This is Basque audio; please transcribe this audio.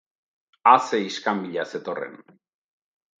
A ze iskanbila zetorren!